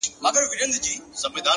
لوړ همت واټنونه لنډوي.